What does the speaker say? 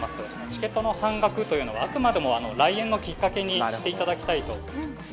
チケットの半額というのは、あくまでも来園のきっかけにしていただきたいと。